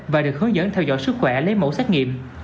và được hướng dẫn theo dõi sức khỏe lấy mẫu xét nghiệm